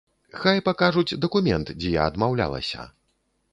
Хай пакажуць дакумент, дзе я адмаўлялася.